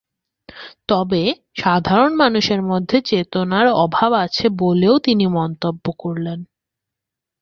তবে, সাধারণ মানুষের মধ্যে সচেতনতার অভাব আছে বলেও তিনি মন্তব্য করেন।